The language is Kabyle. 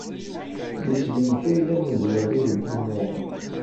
D isem-nnek ay d amezwaru deg wumuɣ.